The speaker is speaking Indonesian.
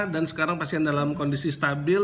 dan sekarang pasien dalam kondisi stabil